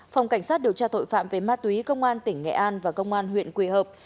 phòng cảnh sát điều tra tội phạm về ma túy công an tỉnh nghệ an và công an huyện quỳ hợp